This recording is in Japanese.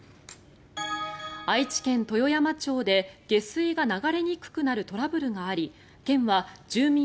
愛知県豊山町で下水が流れにくくなるトラブルがあり県は住民